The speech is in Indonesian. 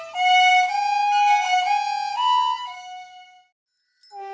ganze belas kutuka bertambah berburu